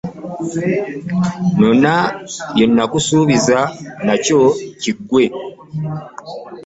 Nona bye nakusuubiza nakyo kiggwe.